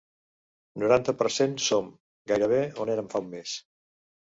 Noranta per cent Som, gairebé, on érem fa un mes.